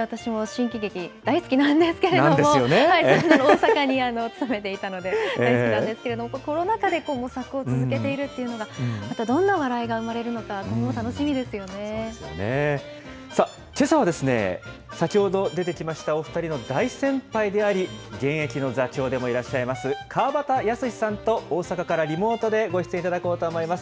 私も新喜劇大好きなんですけれども、大阪に勤めていたので大好きなんですけれども、コロナ禍で模索を続けているというのが、あと、どんな笑いが生まれるのか、今後楽しみですよさあ、けさは、先ほど出てきましたお２人の大先輩であり、現役の座長でもいらっしゃいます、川畑泰史さんと大阪からリモートでご出演いただこうと思います。